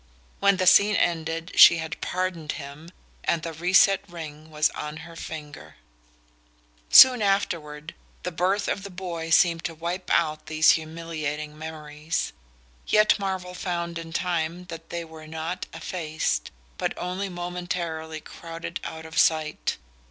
When the scene ended she had pardoned him, and the reset ring was on her finger... Soon afterward, the birth of the boy seemed to wipe out these humiliating memories; yet Marvell found in time that they were not effaced, but only momentarily crowded out of sight.